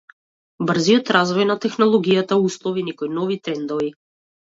Брзиот развој на технологијата услови некои нови трендови.